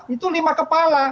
itu lima kepala